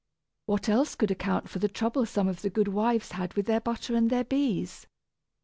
What else could account for the trouble some of the good wives had with their butter and their bees?